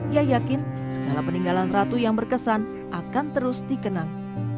ia yakin segala peninggalan ratu yang berkesan akan terus dikenang